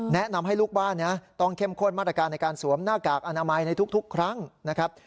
แนะนำให้ลูกบ้านต้องเข้มข้นมาตรการในการสวมหน้ากากอนามัยในทุกครั้งนะครับ